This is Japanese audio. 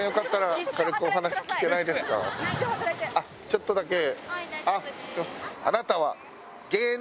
ちょっとだけ。